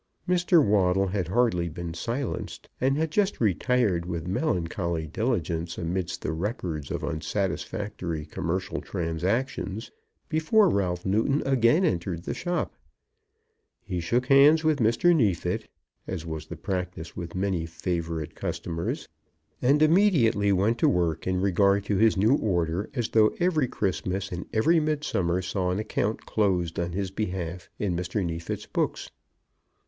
Mr. Waddle had hardly been silenced, and had just retired with melancholy diligence amidst the records of unsatisfactory commercial transactions, before Ralph Newton again entered the shop. He shook hands with Mr. Neefit, as was the practice with many favourite customers, and immediately went to work in regard to his new order, as though every Christmas and every Midsummer saw an account closed on his behalf in Mr. Neefit's books.